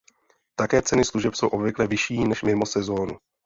Také ceny služeb jsou obvykle vyšší než "mimo sezónu".